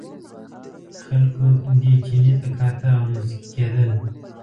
خلکو دې چیني ته کاته او مسکي کېدل.